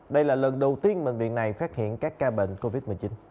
đây là lần đầu tiên bệnh viện này phát hiện các ca bệnh covid một mươi chín